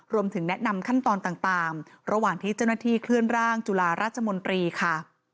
รวมถึงแนะนำขั้นตอนต่างระหว่างที่เจ้าหน้าที่เคลื่อนร่างจุฬาราชมนตรีค่ะ